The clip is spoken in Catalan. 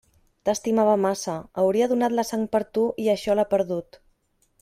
T'estimava massa, hauria donat la sang per tu, i això l'ha perdut.